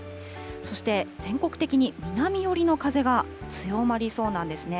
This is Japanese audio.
そして、全国的に南寄りの風が強まりそうなんですね。